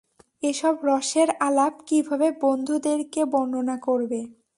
এসব রসের আলাপ কিভাবে বন্ধুদেরকে বর্ণনা করবে?